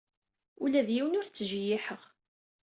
Ula d yiwen ur t-ttjeyyiḥeɣ.